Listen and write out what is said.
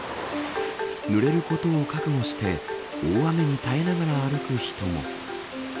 ぬれることを覚悟して大雨に耐えながら歩く人も。